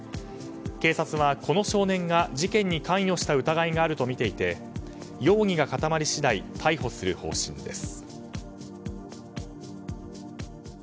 警察は、この少年が事件に関与した疑いがあるとみていて容疑が固まり次第逮捕する方針です。